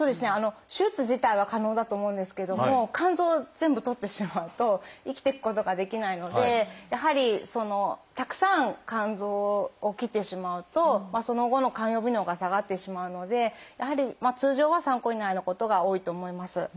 手術自体は可能だと思うんですけども肝臓を全部取ってしまうと生きていくことができないのでやはりたくさん肝臓を切ってしまうとその後の肝予備能が下がってしまうのでやはり通常は３個以内のことが多いと思います。